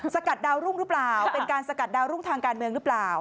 สกัดดาวรุ่งหรือเปล่าเป็นการสกัดดาวรุ่งทางการเมืองหรือเปล่า